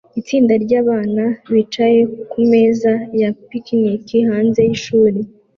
itsinda ryabana bicaye kumeza ya picnic hanze yishuri